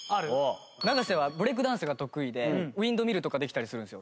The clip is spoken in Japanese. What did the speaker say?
長瀬はブレイクダンスが得意でウィンドミルとかできたりするんですよ。